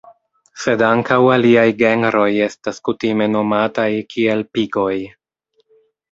Sed ankaŭ aliaj genroj estas kutime nomataj kiel "pigoj".